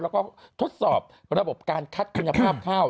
แล้วก็ทดสอบระบบการคัดคุณภาพข้าว